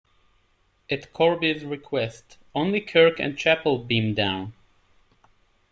At Korby's request, only Kirk and Chapel beam down.